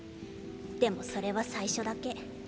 でもそれは最初だけ。